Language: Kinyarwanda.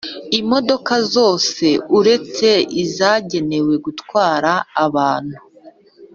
Imodoka zose uretse izagenewe gutwara abantu